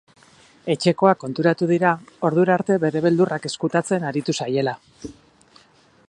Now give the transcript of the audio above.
Etxekoak konturako dira ordura arte bere beldurrak ezkutatzen aritu zaiela.